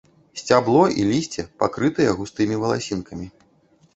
Сцябло і лісце пакрытыя густымі валасінкамі.